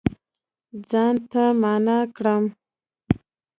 ځان ته معنا کړم